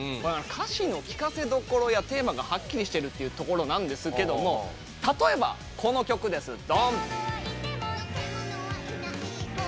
歌詞の聴かせどころやテーマがはっきりしているというところなんですけれど例えば、この曲です。